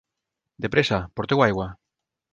De pressa, porteu aigua!